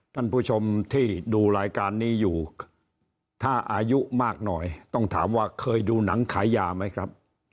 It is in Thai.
ท่านผู้ชมที่ดูรายการนี้อยู่ถ้าอายุมากหน่อยต้องถามว่าเคยดูหนังขายยาไหมครับ